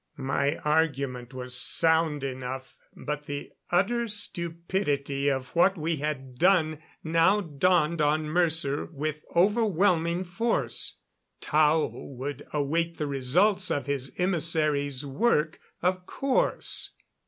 My argument was sound enough, but the utter stupidity of what we had done now dawned on Mercer with overwhelming force. Tao would await the results of his emissaries' work, of course.